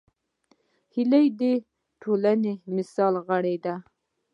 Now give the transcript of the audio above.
هیلۍ د ټولنې مثالي غړې ده